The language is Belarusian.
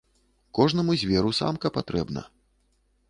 Кожнаму зверу самка патрэбна.